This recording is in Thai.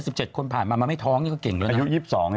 สิบเจ็ดคนผ่านมามันไม่ท้องนี่ก็เก่งด้วยนะอายุยี่สิบสอง